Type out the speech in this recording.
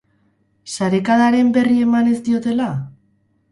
Sarekadaren berri eman ez diotela?